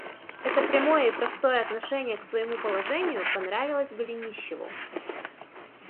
Это прямое и простое отношение к своему положению понравилось Голенищеву.